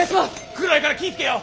暗いから気ぃ付けよ！